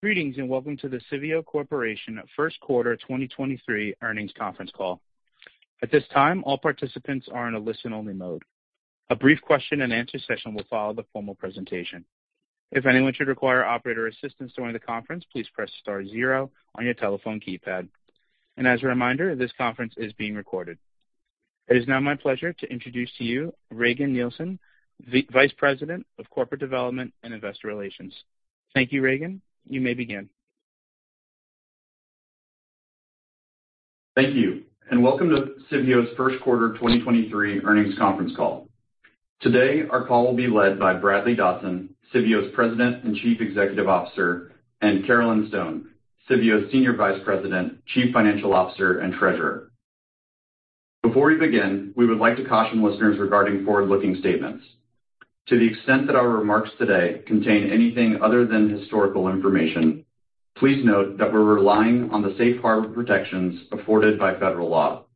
Greetings, welcome to the Civeo Corporation Q1 2023 Earnings Conference Call. At this time, all participants are in a listen-only mode. A brief question-and-answer session will follow the formal presentation. If anyone should require operator assistance during the conference, please press star zero on your telephone keypad. As a reminder, this conference is being recorded. It is now my pleasure to introduce to you Regan Nielsen, Vice President of Corporate Development and Investor Relations. Thank you, Regan. You may begin. Thank you. Welcome to Civeo's Q1 2023 earnings conference call. Today, our call will be led by Bradley Dodson, Civeo's President and Chief Executive Officer, and Carolyn Stone, Civeo's Senior Vice President, Chief Financial Officer, and Treasurer. Before we begin, we would like to caution listeners regarding forward-looking statements. To the extent that our remarks today contain anything other than historical information, please note that we're relying on the safe harbor protections afforded by federal law.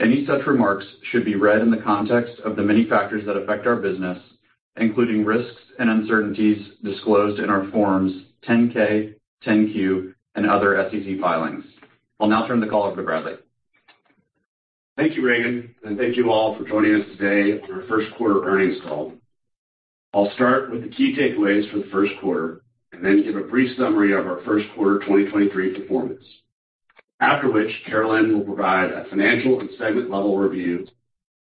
Any such remarks should be read in the context of the many factors that affect our business, including risks and uncertainties disclosed in our forms 10-K, 10-Q, and other SEC filings. I'll now turn the call over to Bradley. Thank you, Regan, and thank you all for joining us today for our Q1 earnings call. I'll start with the key takeaways for the Q1 and then give a brief summary of our Q1 2023 performance. After which Carolyn will provide a financial and segment level review.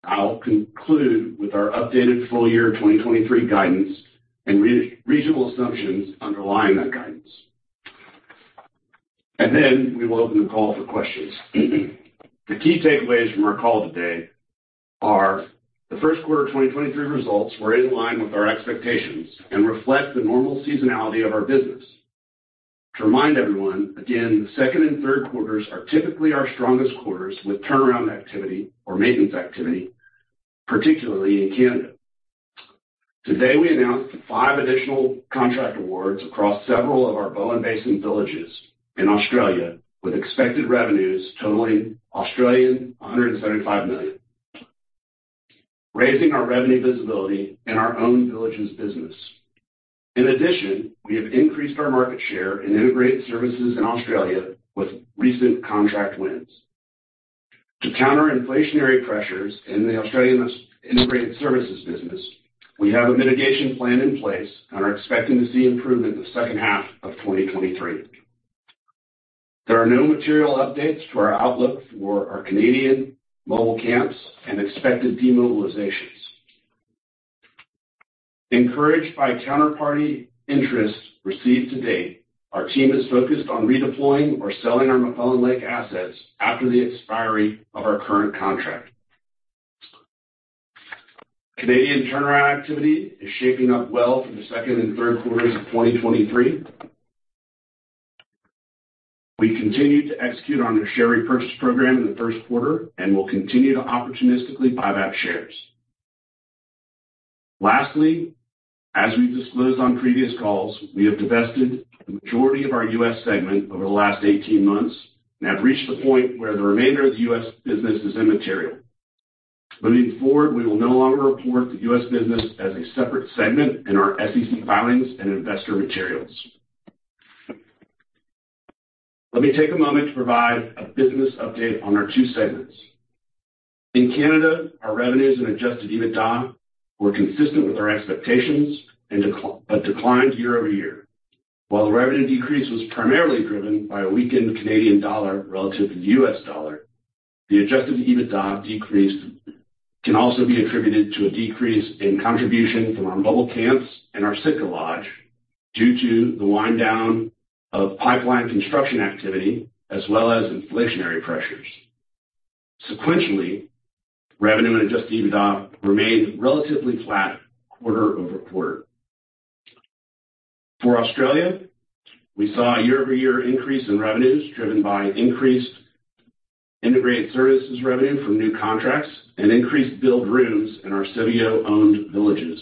I'll conclude with our updated full year 2023 guidance and re-reasonable assumptions underlying that guidance. We will open the call for questions. The key takeaways from our call today are: the Q1 of 2023 results were in line with our expectations and reflect the normal seasonality of our business. To remind everyone, again, the second and Q3s are typically our strongest quarters with turnaround activity or maintenance activity, particularly in Canada. Today, we announced five additional contract awards across several of our Bowen Basin villages in Australia, with expected revenues totaling 175 million Australian dollars, raising our revenue visibility in our own villages business. In addition, we have increased our market share in integrated services in Australia with recent contract wins. To counter inflationary pressures in the Australian integrated services business, we have a mitigation plan in place and are expecting to see improvement in the second half of 2023. There are no material updates to our outlook for our Canadian mobile camps and expected demobilizations. Encouraged by counterparty interest received to date, our team is focused on redeploying or selling our McClelland Lake assets after the expiry of our current contract. Canadian turnaround activity is shaping up well for the second and Q3s of 2023. We continued to execute on our share repurchase program in the Q1 and will continue to opportunistically buy back shares. Lastly, as we've disclosed on previous calls, we have divested the majority of our U.S. segment over the last 18 months and have reached the point where the remainder of the U.S. business is immaterial. Moving forward, we will no longer report the U.S. business as a separate segment in our SEC filings and investor materials. Let me take a moment to provide a business update on our two segments. In Canada, our revenues and Adjusted EBITDA were consistent with our expectations but declined year-over-year. While the revenue decrease was primarily driven by a weakened Canadian dollar relative to the US dollar, the Adjusted EBITDA decrease can also be attributed to a decrease in contribution from our mobile camps and our Sitka Lodge due to the wind down of pipeline construction activity as well as inflationary pressures. Sequentially, revenue and Adjusted EBITDA remained relatively flat quarter-over-quarter. For Australia, we saw a year-over-year increase in revenues driven by increased integrated services revenue from new contracts and increased billed rooms in our Civeo-owned villages.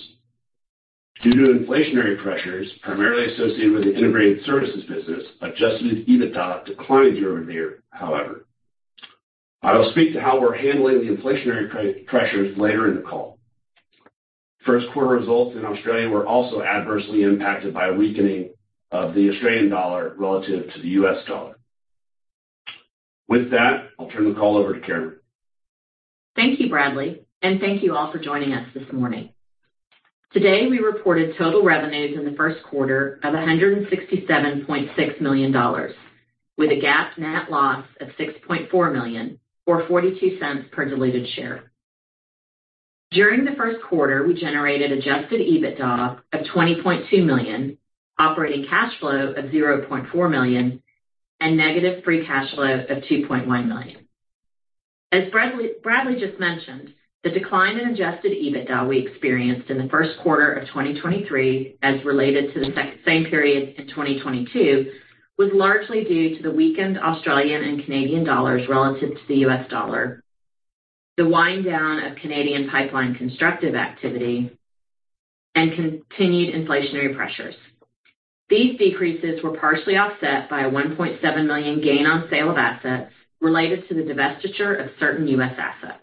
Due to inflationary pressures, primarily associated with the integrated services business, Adjusted EBITDA declined year-over-year, however. I will speak to how we're handling the inflationary pressures later in the call. Q1 results in Australia were also adversely impacted by a weakening of the Australian dollar relative to the US dollar. With that, I'll turn the call over to Carolyn Stone. Thank you, Bradley, and thank you all for joining us this morning. Today, we reported total revenues in the Q1 of $167.6 million with a GAAP net loss of $6.4 million or $0.42 per diluted share. During the Q1, we generated Adjusted EBITDA of $20.2 million, operating cash flow of $0.4 million, and negative free cash flow of $2.1 million. As Bradley just mentioned, the decline in Adjusted EBITDA we experienced in the Q1 of 2023 as related to the same period in 2022 was largely due to the weakened Australian and Canadian dollars relative to the US dollar, the wind down of Canadian pipeline constructive activity, and continued inflationary pressures. These decreases were partially offset by a $1.7 million gain on sale of assets related to the divestiture of certain U.S. assets.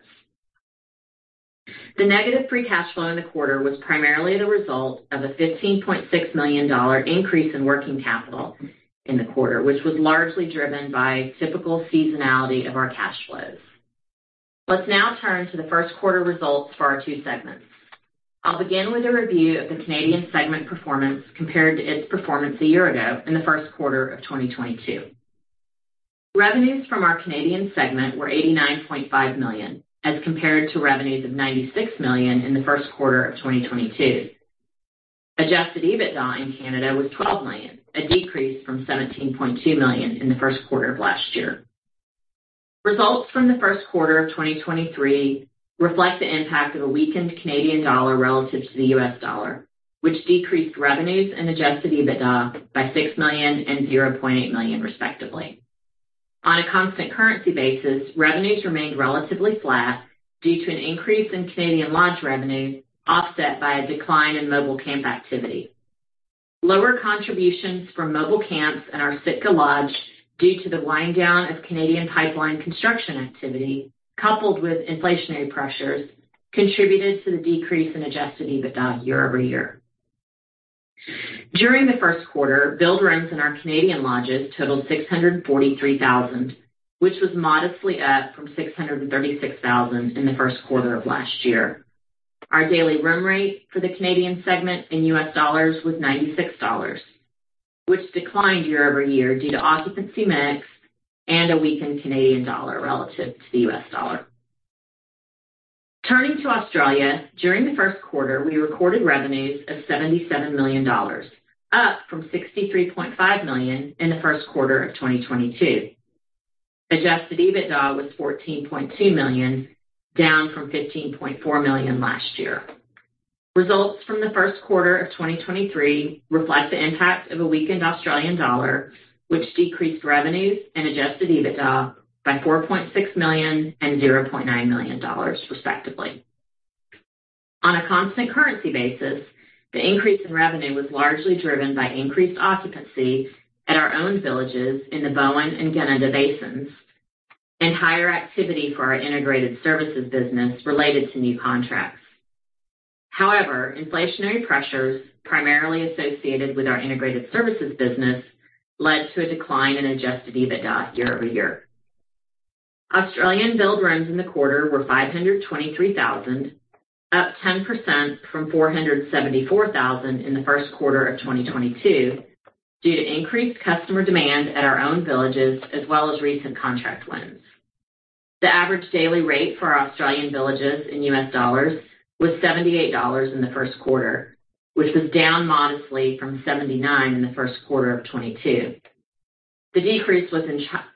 The negative free cash flow in the quarter was primarily the result of a $15.6 million increase in working capital in the quarter, which was largely driven by typical seasonality of our cash flows. Let's now turn to the Q1 results for our two segments. I'll begin with a review of the Canadian segment performance compared to its performance a year ago in the Q1 of 2022. Revenues from our Canadian segment were $89.5 million, as compared to revenues of $96 million in the Q1 of 2022. Adjusted EBITDA in Canada was $12 million, a decrease from $17.2 million in the Q1 of last year. Results from the Q1 of 2023 reflect the impact of a weakened Canadian dollar relative to the US dollar, which decreased revenues and Adjusted EBITDA by $6 million and $0.8 million, respectively. On a constant currency basis, revenues remained relatively flat due to an increase in Canadian lodge revenue, offset by a decline in mobile camp activity. Lower contributions from mobile camps and our Sitka Lodge, due to the wind down of Canadian pipeline construction activity, coupled with inflationary pressures, contributed to the decrease in Adjusted EBITDA year-over-year. During the Q1, billed rooms in our Canadian lodges totaled 643,000, which was modestly up from 636,000 in the Q1 of last year. Our daily room rate for the Canadian segment in USD was $96, which declined year-over-year due to occupancy mix and a weakened Canadian dollar relative to the US dollar. Turning to Australia, during the Q1, we recorded revenues of 77 million dollars, up from 63.5 million in the Q1 of 2022. Adjusted EBITDA was 14.2 million, down from 15.4 million last year. Results from the Q1 of 2023 reflect the impact of a weakened Australian dollar, which decreased revenues and Adjusted EBITDA by 4.6 million and 0.9 million dollars, respectively. On a constant currency basis, the increase in revenue was largely driven by increased occupancy at our own villages in the Bowen and Gunnedah Basin and higher activity for our integrated services business related to new contracts. Inflationary pressures, primarily associated with our integrated services business, led to a decline in Adjusted EBITDA year-over-year. Australian billed rooms in the quarter were 523,000, up 10% from 474,000 in the Q1 of 2022 due to increased customer demand at our own villages as well as recent contract wins. The average daily rate for our Australian villages in US dollars was $78 in the Q1, which was down modestly from $79 in the Q1 of 2022. The decrease was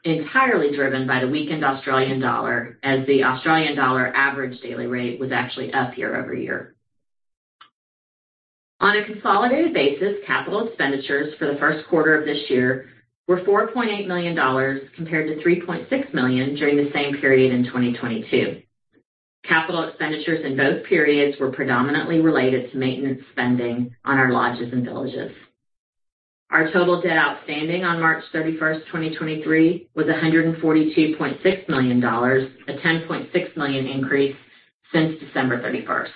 entirely driven by the weakened Australian dollar, as the Australian dollar average daily rate was actually up year-over-year. On a consolidated basis, capital expenditures for the Q1 of this year were $4.8 million compared to $3.6 million during the same period in 2022. Capital expenditures in both periods were predominantly related to maintenance spending on our lodges and villages. Our total debt outstanding on March 31, 2023 was $142.6 million, a $10.6 million increase since December 31.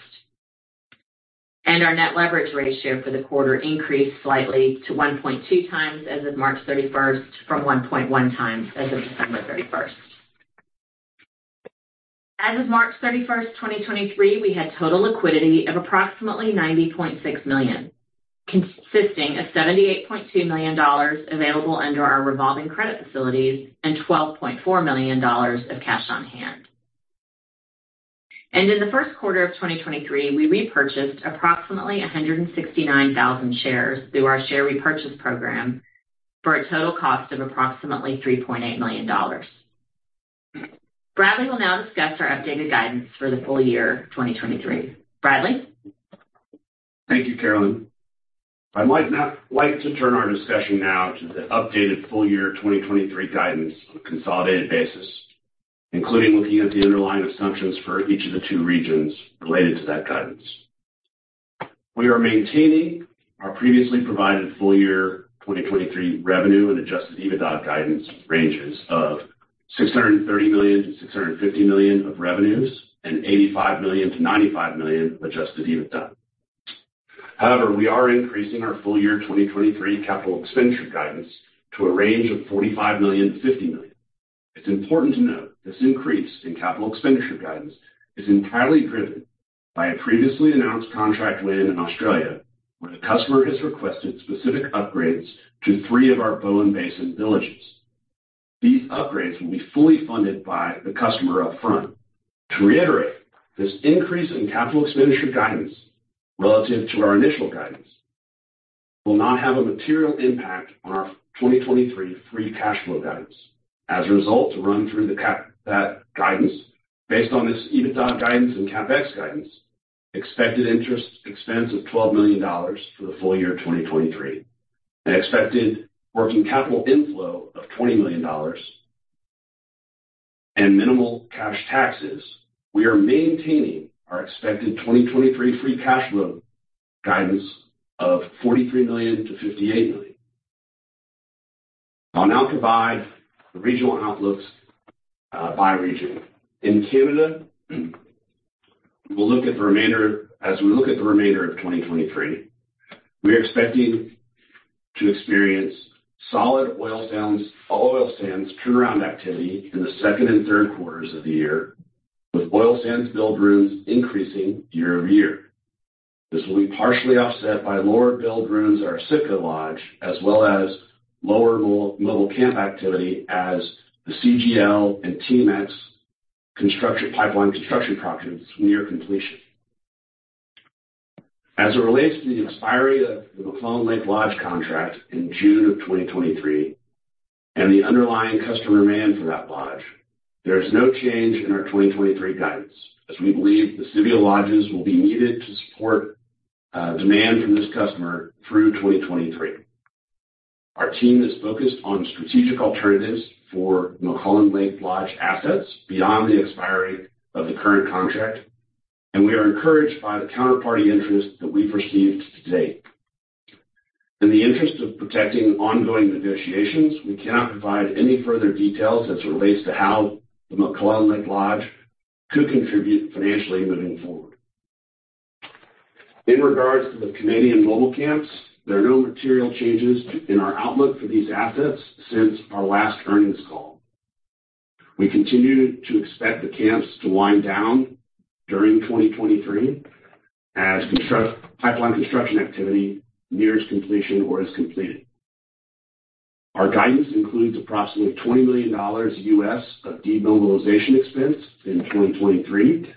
Our net leverage ratio for the quarter increased slightly to 1.2x as of March 31 from 1.1x as of December 31. As of March 31, 2023, we had total liquidity of approximately $90.6 million, consisting of $78.2 million available under our revolving credit facilities and $12.4 million of cash on hand. In the Q1 of 2023, we repurchased approximately 169,000 shares through our share repurchase program for a total cost of approximately $3.8 million. Bradley will now discuss our updated guidance for the full year 2023. Bradley? Thank you, Carolyn. I like to turn our discussion now to the updated full year 2023 guidance on a consolidated basis, including looking at the underlying assumptions for each of the two regions related to that guidance. We are maintaining our previously provided full year 2023 revenue and Adjusted EBITDA guidance ranges of $630 million-$650 million of revenues and $85 million-$95 million Adjusted EBITDA. However, we are increasing our full year 2023 capital expenditure guidance to a range of $45 million-$50 million. It's important to note this increase in capital expenditure guidance is entirely driven by a previously announced contract win in Australia, where the customer has requested specific upgrades to three of our Bowen Basin villages. These upgrades will be fully funded by the customer up front. To reiterate, this increase in capital expenditure guidance relative to our initial guidance will not have a material impact on our 2023 free cash flow guidance. As a result, to run through the cap that guidance based on this EBITDA guidance and CapEx guidance, expected interest expense of $12 million for the full year of 2023, an expected working capital inflow of $20 million and minimal cash taxes, we are maintaining our expected 2023 free cash flow guidance of $43 million-$58 million. I'll now provide the regional outlooks by region. In Canada, As we look at the remainder of 2023, we are expecting to experience solid oil sands, all oil sands turnaround activity in the second and Q3s of the year, with oil sands billed rooms increasing year-over-year. This will be partially offset by lower billed rooms at our Sitka Lodge, as well as lower mobile camp activity as the CGL and TMX pipeline construction projects near completion. As it relates to the expiry of the McClelland Lake Lodge contract in June of 2023 and the underlying customer demand for that lodge, there is no change in our 2023 guidance, as we believe the Civeo lodges will be needed to support demand from this customer through 2023. Our team is focused on strategic alternatives for McClelland Lake Lodge assets beyond the expiry of the current contract, and we are encouraged by the counterparty interest that we've received to date. In the interest of protecting ongoing negotiations, we cannot provide any further details as it relates to how the McClelland Lake Lodge could contribute financially moving forward. In regards to the Canadian mobile camps, there are no material changes in our outlook for these assets since our last earnings call. We continue to expect the camps to wind down during 2023 as pipeline construction activity nears completion or is completed. Our guidance includes approximately $20 million of demobilization expense in 2023.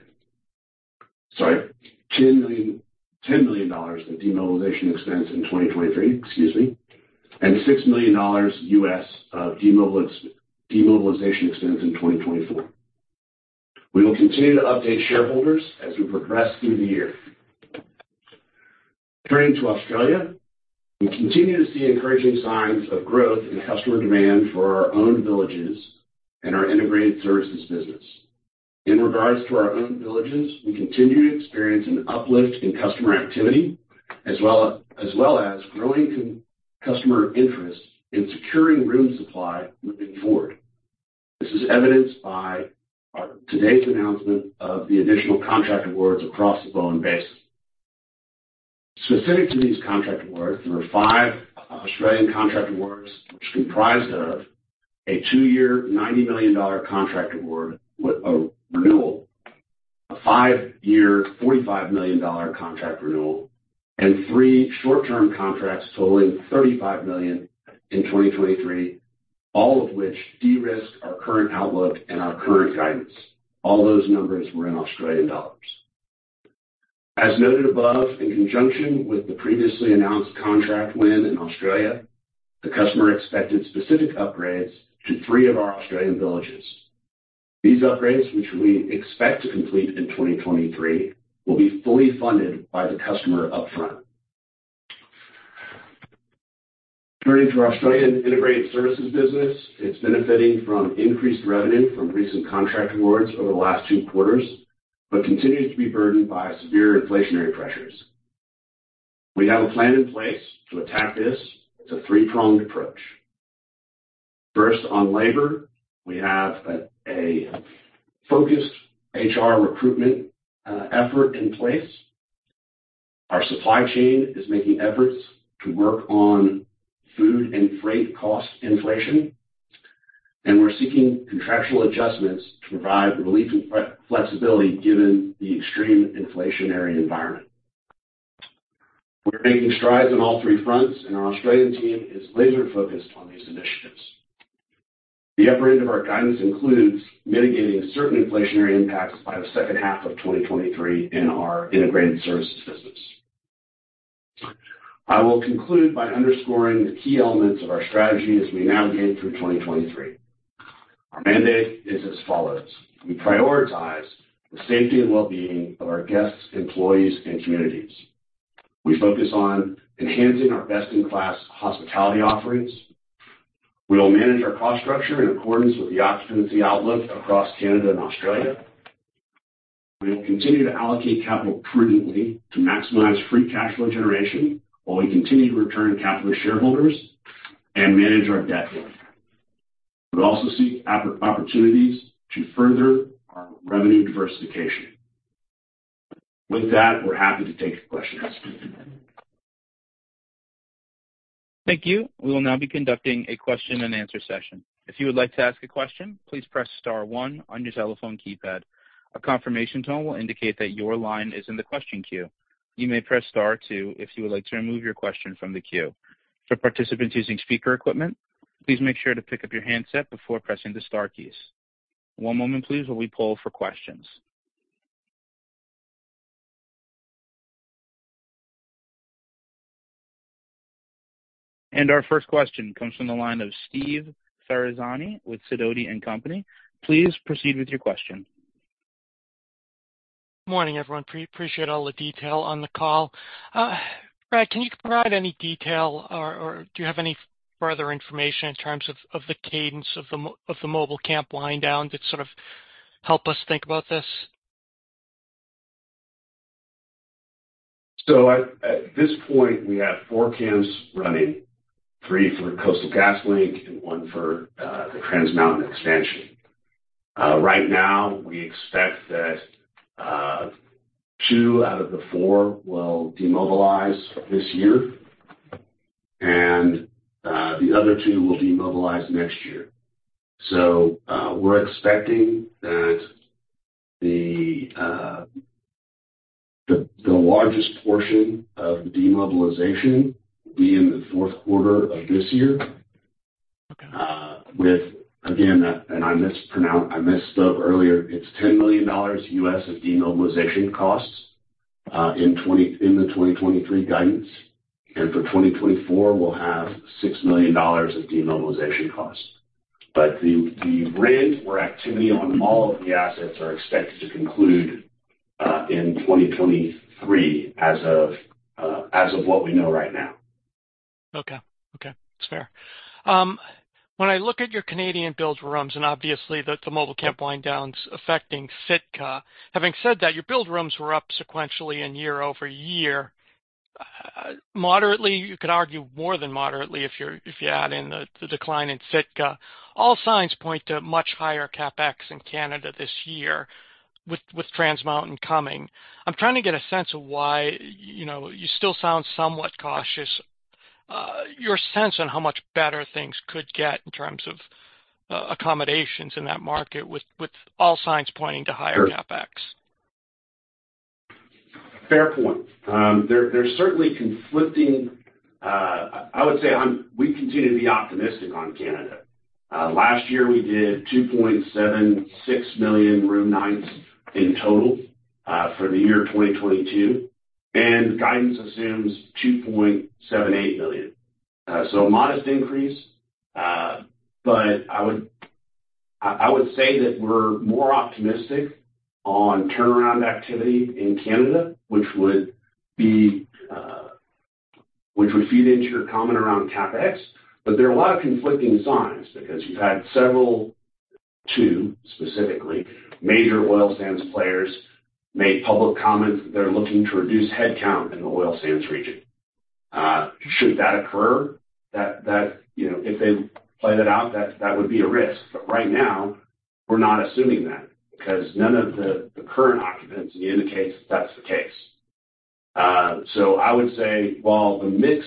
Sorry, $10 million of demobilization expense in 2023. Excuse me. $6 million of demobilization expense in 2024. We will continue to update shareholders as we progress through the year. Turning to Australia. We continue to see encouraging signs of growth in customer demand for our owned villages and our integrated services business. In regards to our owned villages, we continue to experience an uplift in customer activity as well as growing customer interest in securing room supply moving forward. This is evidenced by our today's announcement of the additional contract awards across the Bowen Basin. Specific to these contract awards, there are five Australian contract awards, which comprised of a two-year 90 million dollar contract award with a renewal, a five-year 45 million dollar contract renewal, and three short-term contracts totaling 35 million in 2023, all of which de-risk our current outlook and our current guidance. All those numbers were in Australian dollars. As noted above, in conjunction with the previously announced contract win in Australia, the customer expected specific upgrades to three of our Australian villages. These upgrades, which we expect to complete in 2023, will be fully funded by the customer upfront. Turning to our Australian integrated services business. It's benefiting from increased revenue from recent contract awards over the last two quarters, but continues to be burdened by severe inflationary pressures. We have a plan in place to attack this. It's a three-pronged approach. First, on labor, we have a focused HR recruitment effort in place. Our supply chain is making efforts to work on food and freight cost inflation. We're seeking contractual adjustments to provide relief and flexibility given the extreme inflationary environment. We're making strides on all three fronts. Our Australian team is laser-focused on these initiatives. The upper end of our guidance includes mitigating certain inflationary impacts by the second half of 2023 in our integrated services business. I will conclude by underscoring the key elements of our strategy as we navigate through 2023. Our mandate is as follows: We prioritize the safety and well-being of our guests, employees, and communities. We focus on enhancing our best-in-class hospitality offerings. We will manage our cost structure in accordance with the occupancy outlook across Canada and Australia. We will continue to allocate capital prudently to maximize free cash flow generation while we continue to return capital to shareholders and manage our debt base. We'll also seek opportunities to further our revenue diversification. With that, we're happy to take questions. Thank you. We will now be conducting a question-and-answer session. If you would like to ask a question, please press star one on your telephone keypad. A confirmation tone will indicate that your line is in the question queue. You may press star two if you would like to remove your question from the queue. For participants using speaker equipment, please make sure to pick up your handset before pressing the star keys. One moment please while we poll for questions. Our first question comes from the line of Steve Ferazani with Sidoti & Company. Please proceed with your question. Morning, everyone. Appreciate all the detail on the call. Brad, can you provide any detail or do you have any further information in terms of the cadence of the mobile camp wind down to sort of help us think about this? At this point, we have 4 camps running, 3 for Coastal GasLink and 1 for the Trans Mountain expansion. Right now, we expect that 2 out of the 4 will demobilize this year and the other 2 will demobilize next year. We're expecting that the largest portion of the demobilization will be in the Q4 of this year. Okay. With again, and I messed up earlier. It's $10 million USD of demobilization costs in the 2023 guidance. For 2024, we'll have $6 million of demobilization costs. The rig or activity on all of the assets are expected to conclude in 2023 as of what we know right now. Okay. Okay, that's fair. When I look at your Canadian billed rooms, and obviously the mobile camp wind downs affecting Sitka. Having said that, your billed rooms were up sequentially and year-over-year, moderately, you could argue more than moderately if you're, if you add in the decline in Sitka. All signs point to much higher CapEx in Canada this year with Trans Mountain coming. I'm trying to get a sense of why you know, you still sound somewhat cautious. Your sense on how much better things could get in terms of accommodations in that market with all signs pointing to higher CapEx. Fair point. There, there's certainly conflicting, I would say we continue to be optimistic on Canada. Last year we did 2.76 million room nights in total, for the year 2022, and guidance assumes 2.78 million. A modest increase. I would say that we're more optimistic on turnaround activity in Canada, which would be, which would feed into your comment around CapEx. There are a lot of conflicting signs because you've had several, two specifically, major oil sands players make public comments that they're looking to reduce headcount in the oil sands region. Should that occur, that, you know, if they play that out, that would be a risk. Right now, we're not assuming that because none of the current occupants indicate that's the case. I would say while the mix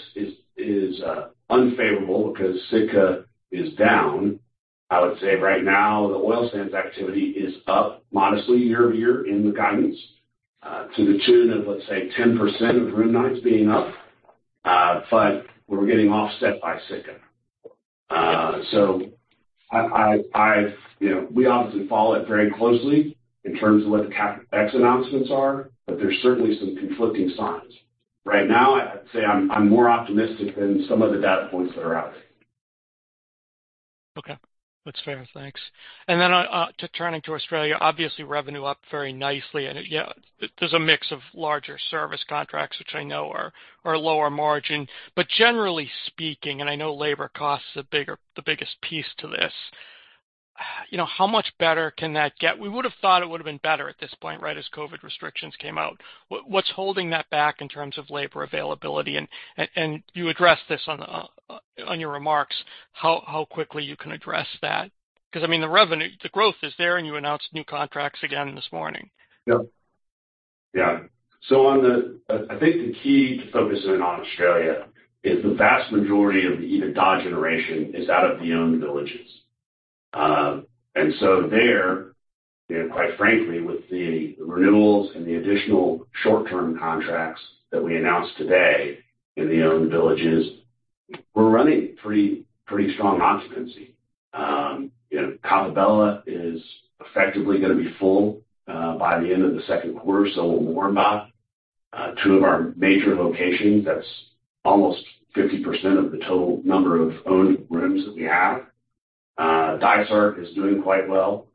is unfavorable because Sitka is down, I would say right now the oil sands activity is up modestly year-over-year in the guidance, to the tune of, let's say, 10% of room nights being up. We're getting offset by Sitka. I, you know, we obviously follow it very closely in terms of what the CapEx announcements are, but there's certainly some conflicting signs. Right now, I'd say I'm more optimistic than some of the data points that are out there. Okay. That's fair. Thanks. Then, turning to Australia, obviously revenue up very nicely. You know, there's a mix of larger service contracts, which I know are lower margin. Generally speaking, and I know labor cost is the biggest piece to this, you know, how much better can that get? We would have thought it would have been better at this point, right, as COVID restrictions came out. What's holding that back in terms of labor availability? You addressed this on your remarks, how quickly you can address that. 'Cause, I mean, the revenue, the growth is there, and you announced new contracts again this morning. Yeah. Yeah. On the, I think the key to focusing on Australia is the vast majority of the EBITDA generation is out of the owned villages. There, you know, quite frankly, with the renewals and the additional short-term contracts that we announced today in the owned villages, we're running pretty strong occupancy. You know, Coppabella is effectively gonna be full by the end of the Q2, so will Moranbah. Two of our major locations, that's almost 50% of the total number of owned rooms that we have. Dysart is doing quite well.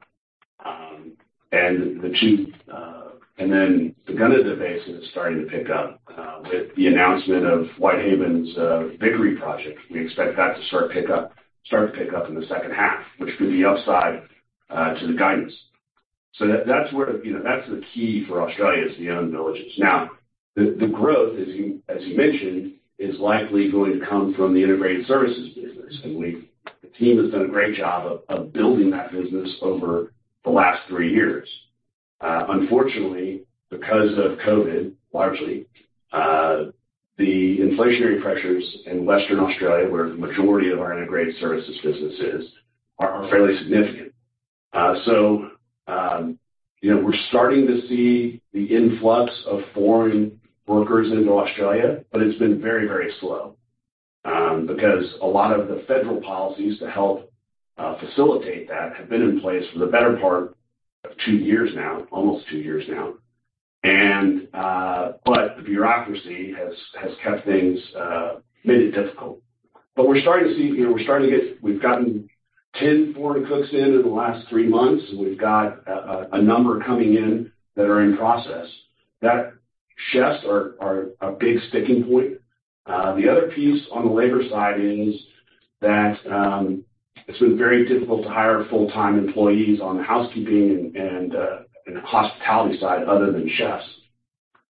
The Gunnedah Basin is starting to pick up with the announcement of Whitehaven's Vickery project. We expect that to start to pick up in the second half, which could be upside to the guidance. That's where, you know, that's the key for Australia is the owned villages. The growth, as you mentioned, is likely going to come from the integrated services business. The team has done a great job of building that business over the last three years. Unfortunately, because of COVID, largely, the inflationary pressures in Western Australia, where the majority of our integrated services business is, are fairly significant. You know, we're starting to see the influx of foreign workers into Australia, but it's been very slow, because a lot of the federal policies to help facilitate that have been in place for the better part of 2 years now, almost 2 years now. The bureaucracy has kept things made it difficult. We're starting to see, you know, we've gotten 10 foreign cooks in the last 3 months. We've got a number coming in that are in process. Chefs are a big sticking point. The other piece on the labor side is that it's been very difficult to hire full-time employees on the housekeeping and the hospitality side other than chefs.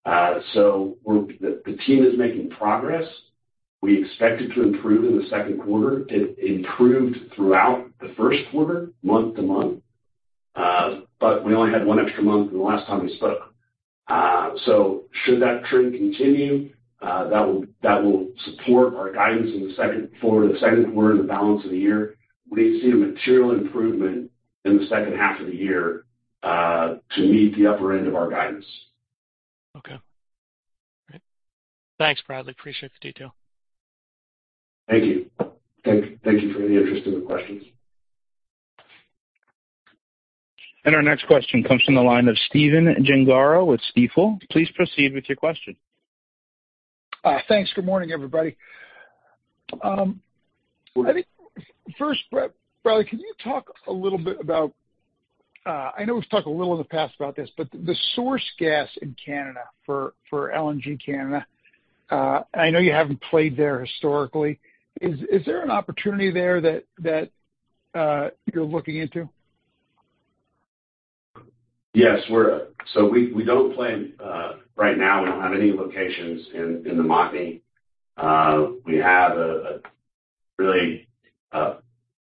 The team is making progress. We expect it to improve in the Q2. It improved throughout the Q1, month to month, but we only had one extra month from the last time we spoke. Should that trend continue, that will support our guidance in the Q2, the Q2 and the balance of the year. We see a material improvement in the second half of the year, to meet the upper end of our guidance. Okay. All right. Thanks, Bradley. Appreciate the detail. Thank you. Thank you for the interest and the questions. Our next question comes from the line of Stephen Gengaro with Stifel. Please proceed with your question. Thanks. Good morning, everybody. I think first, Bradley, can you talk a little bit about, I know we've talked a little in the past about this, but the source gas in Canada for LNG Canada, and I know you haven't played there historically. Is there an opportunity there that you're looking into? Yes. We don't plan, right now, we don't have any locations in the Montney. We have a really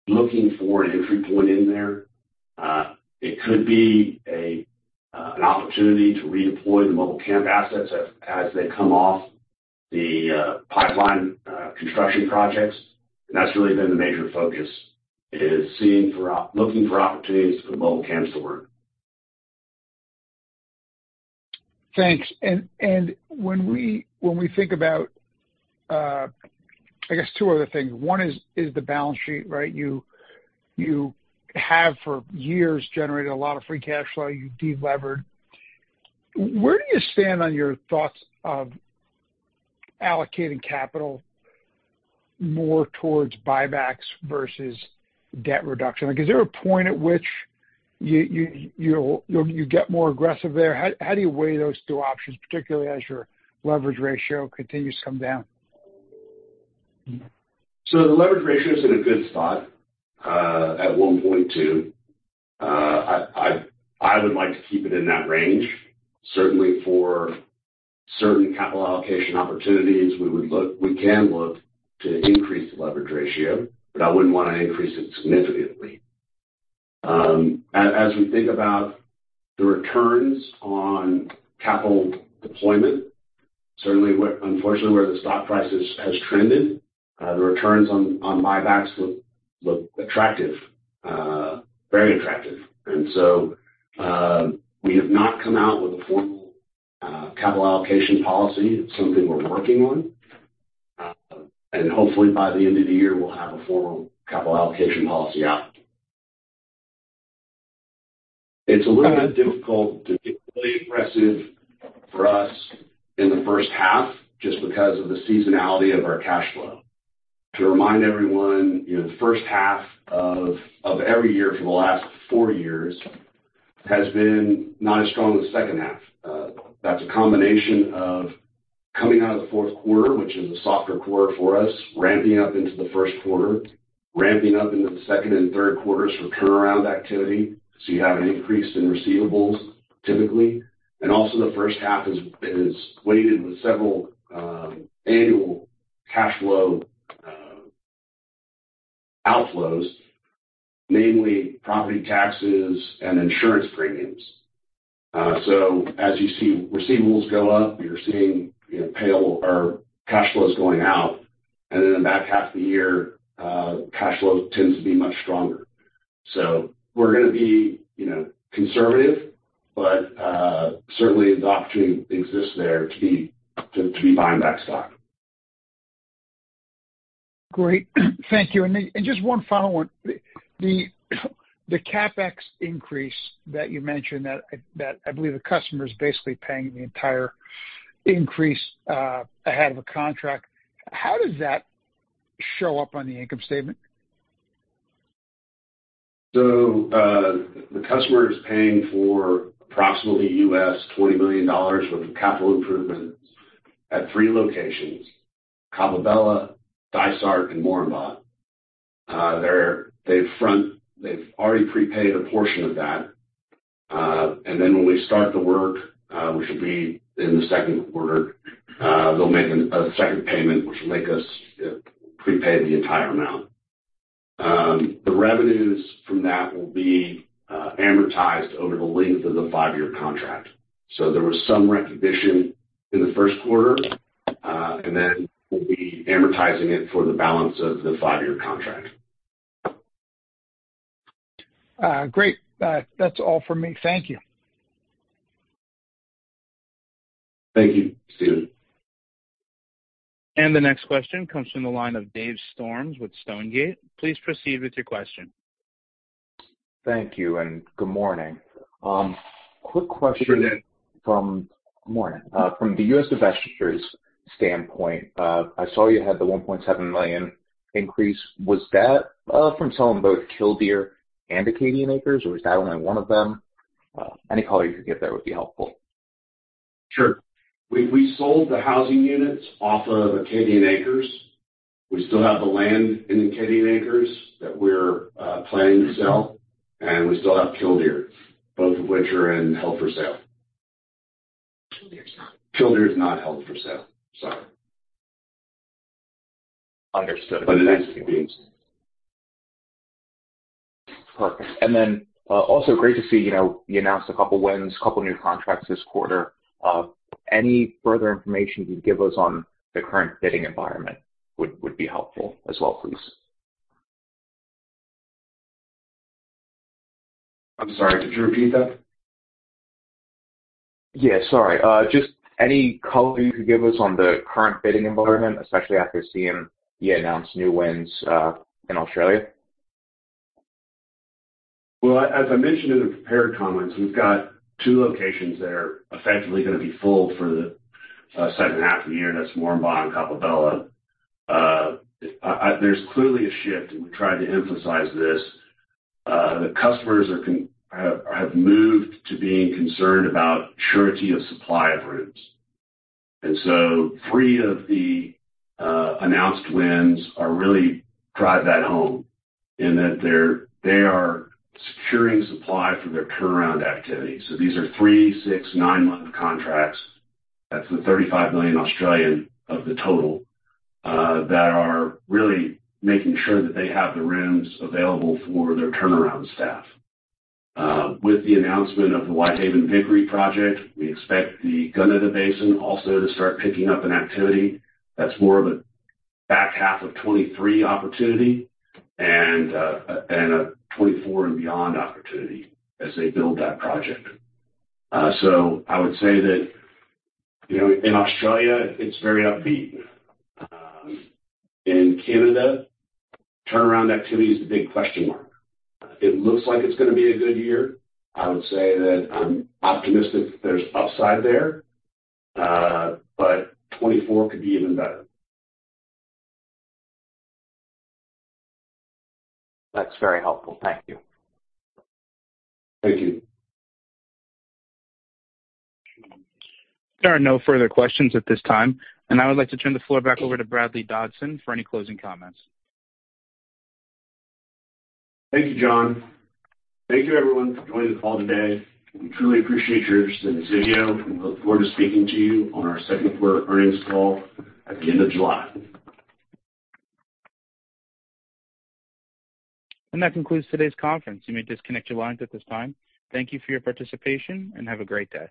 looking for an entry point in there. It could be an opportunity to redeploy the mobile camp assets as they come off the pipeline construction projects. That's really been the major focus, is seeing for looking for opportunities for the mobile camps to work. Thanks. When we think about, I guess 2 other things. One is the balance sheet, right? You have for years generated a lot of free cash flow. You've delevered. Where do you stand on your thoughts of allocating capital more towards buybacks versus debt reduction? Like, is there a point at which you get more aggressive there? How do you weigh those 2 options, particularly as your leverage ratio continues to come down? The leverage ratio is in a good spot, at 1.2x. I would like to keep it in that range. Certainly for certain capital allocation opportunities, we can look to increase the leverage ratio, but I wouldn't wanna increase it significantly. As we think about the returns on capital deployment, certainly unfortunately, where the stock price has trended, the returns on buybacks look attractive, very attractive. We have not come out with a formal capital allocation policy. It's something we're working on. Hopefully by the end of the year, we'll have a formal capital allocation policy out. It's a little bit difficult to be really aggressive for us in the first half just because of the seasonality of our cash flow. To remind everyone, you know, the first half of every year for the last four years has been not as strong as the second half. That's a combination of coming out of the Q4, which is a softer quarter for us, ramping up into the Q1, ramping up into the second and Q3s for turnaround activity. You have an increase in receivables, typically. Also the first half is weighted with several annual cash flow outflows, namely property taxes and insurance premiums. As you see receivables go up, you're seeing, you know, pay or cash flows going out. In the back half of the year, cash flow tends to be much stronger. We're gonna be, you know, conservative, but certainly the opportunity exists there to be buying back stock. Great. Thank you. just one follow one. The CapEx increase that you mentioned, that I believe the customer is basically paying the entire increase ahead of a contract. How does that show up on the income statement? The customer is paying for approximately US $20 million worth of capital improvements at three locations, Coppabella, Dysart, and Moranbah. They've already prepaid a portion of that. When we start the work, which will be in the Q2, they'll make a second payment, which will make us prepay the entire amount. The revenues from that will be amortized over the length of the five-year contract. There was some recognition in the Q1, we'll be amortizing it for the balance of the five-year contract. Great. That's all for me. Thank you. Thank you, Stephen. The next question comes from the line of Dave Storms with Stonegate. Please proceed with your question. Thank you, good morning. Quick question. Good morning. Morning. From the U.S. divestitures standpoint, I saw you had the $1.7 million increase. Was that from selling both Killdeer and Acadian Acres, or was that only one of them? Any color you could give there would be helpful. Sure. We sold the housing units off of Acadian Acres. We still have the land in Acadian Acres that we're planning to sell. We still have Killdeer, both of which are in held for sale. Killdeer is not. Killdeer is not held for sale. Sorry. Understood. It is being sold. Perfect. Then, also great to see, you know, you announced a couple wins, couple new contracts this quarter. Any further information you'd give us on the current bidding environment would be helpful as well, please. I'm sorry. Could you repeat that? Yeah, sorry. Just any color you could give us on the current bidding environment, especially after seeing you announce new wins, in Australia? As I mentioned in the prepared comments, we've got two locations that are effectively gonna be full for the second half of the year. That's Moranbah and Coppabella. There's clearly a shift, and we tried to emphasize this. The customers have moved to being concerned about surety of supply of rooms. Three of the announced wins are really drive that home in that they are securing supply for their turnaround activity. So these are three, six, nine-month contracts. That's the 35 million of the total that are really making sure that they have the rooms available for their turnaround staff. With the announcement of the Whitehaven Vickery project, we expect the Gunnedah Basin also to start picking up in activity. That's more of a back half of 2023 opportunity and a 2024 and beyond opportunity as they build that project. I would say that, you know, in Australia, it's very upbeat. In Canada, turnaround activity is a big question mark. It looks like it's gonna be a good year. I would say that I'm optimistic there's upside there, but 2024 could be even better. That's very helpful. Thank you. Thank you. There are no further questions at this time, and I would like to turn the floor back over to Bradley Dodson for any closing comments. Thank you, John. Thank you everyone for joining the call today. We truly appreciate your interest in Civeo. We look forward to speaking to you on our Q2 earnings call at the end of July. That concludes today's conference. You may disconnect your lines at this time. Thank you for your participation, and have a great day.